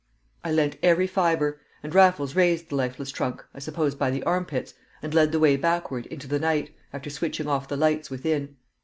I lent every fibre, and Raffles raised the lifeless trunk, I suppose by the armpits, and led the way backward into the night, after switching off the lights within.